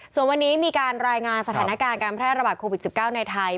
ส่วนวันนี้มีการรายงานสถานการณ์การแพร่ระบาดโควิด๑๙ในไทย